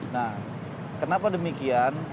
nah kenapa demikian